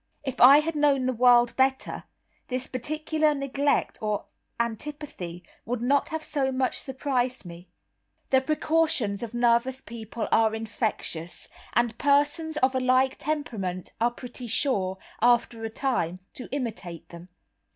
If I had known the world better, this particular neglect or antipathy would not have so much surprised me. The precautions of nervous people are infectious, and persons of a like temperament are pretty sure, after a time, to imitate them.